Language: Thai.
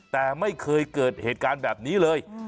แต่ไม่เคยเกิดเหตุการณ์แบบนี้เลย